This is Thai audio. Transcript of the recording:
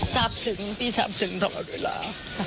จับสึงพี่จับสึงตลอดเวลา